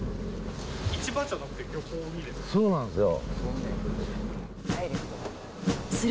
市場じゃなくて漁港にですか？